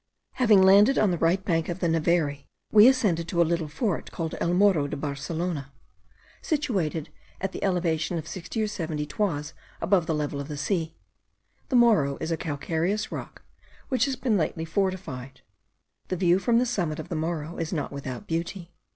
Having landed on the right bank of the Neveri, we ascended to a little fort called El Morro de Barcelona, situated at the elevation of sixty or seventy toises above the level of the sea. The Morro is a calcareous rock which has been lately fortified. The view from the summit of the Morro is not without beauty.